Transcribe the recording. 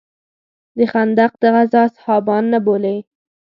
د خندق د غزا اصحابان نه بولې.